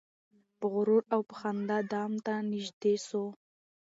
په غرور او په خندا دام ته نیژدې سو